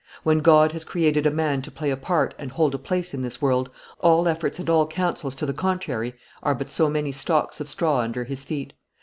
When God has created a man to play a part and hold a place in this world, all efforts and all counsels to the contrary are but so many stalks of straw under his feet.